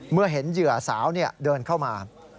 เมื่อเห็นเหยื่อสาวเดินเข้ามา